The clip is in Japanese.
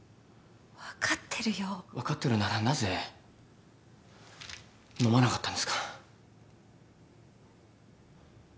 分かってるならなぜ飲まなかったんですか？